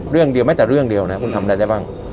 เรื่องเดียวแม้แต่เรื่องเดียวนะคุณทำอะไรได้บ้าง